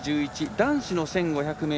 男子の１５００ｍ